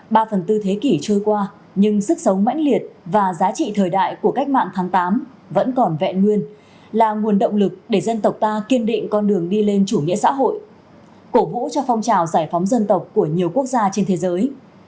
ba phần tư thế kỷ trôi qua nhưng sức sống mãnh liệt và giá trị thời đại của cách mạng tháng tám vẫn còn vẹn nguyên là nguồn động lực để dân tộc ta kiên định con đường đi lên chủ nghĩa xã hội cổ vũ cho phong trào giải phóng dân tộc của nhiều quốc gia trên thế giới